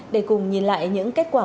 để cùng nhìn lại những kết quả